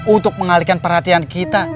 untuk mengalihkan perhatian kita